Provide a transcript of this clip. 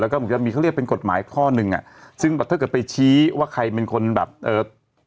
แล้วก็มีเขาเรียกเป็นกฎหมายข้อหนึ่งซึ่งถ้าเกิดไปชี้ว่าใครเป็นคนแบบ